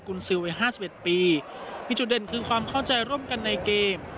คุณซื้อไว้ห้าสิบเอ็ดปีมีจุดเด่นคือความเข้าใจร่วมกันในเกม